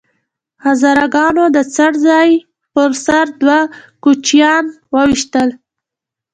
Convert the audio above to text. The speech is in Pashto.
هزاره ګانو د څړ ځای په سر دوه کوچیان وويشتل